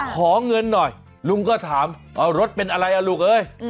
ขอเงินหน่อยลุงก็ถามรถเป็นอะไรอ่ะลูกเอ้ย